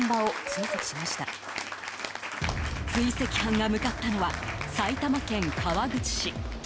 追跡班が向かったのは埼玉県川口市。